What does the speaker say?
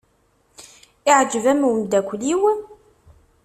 Iɛjeb-am umeddakel-iw?